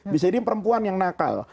bisa jadi perempuan yang nakal